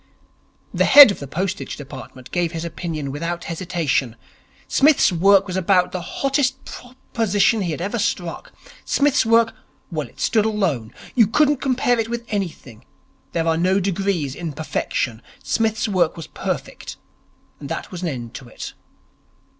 The head of the Postage Department gave his opinion without hesitation. Psmith's work was about the hottest proposition he had ever struck. Psmith's work well, it stood alone. You couldn't compare it with anything. There are no degrees in perfection. Psmith's work was perfect, and there was an end to it.